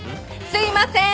すいません！